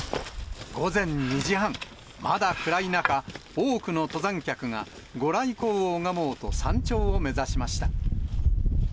午前２時半、まだ暗い中、多くの登山客が御来光を拝もうと山頂を目指しました。